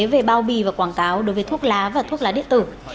về bao bì và quảng cáo đối với thuốc lá và thuốc lá điện tử